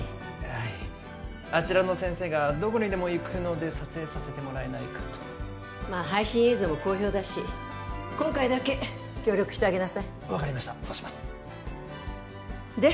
はいあちらの先生がどこにでも行くので撮影させてもらえないかとまあ配信映像も好評だし今回だけ協力してあげなさい分かりましたそうしますで？